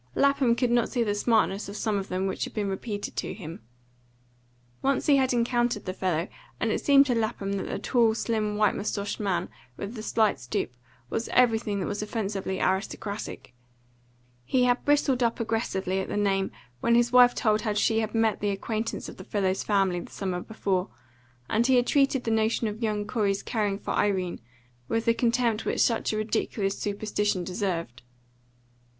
Lapham could not see the smartness of some of them which had been repeated to him. Once he had encountered the fellow, and it seemed to Lapham that the tall, slim, white moustached man, with the slight stoop, was everything that was offensively aristocratic. He had bristled up aggressively at the name when his wife told how she had made the acquaintance of the fellow's family the summer before, and he had treated the notion of young Corey's caring for Irene with the contempt which such a ridiculous superstition deserved.